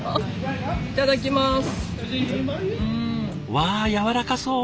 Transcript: わあやわらかそう。